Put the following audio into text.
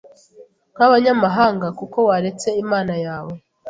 nk abanyamahanga kuko waretse Imana yawe